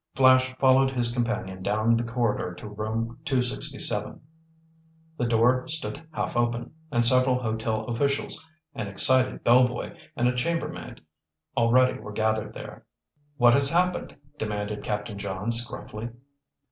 Flash followed his companion down the corridor to Room 267. The door stood half open, and several hotel officials, an excited bellboy and a chambermaid, already were gathered there. "What has happened?" demanded Captain Johns gruffly.